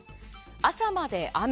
朝まで雨。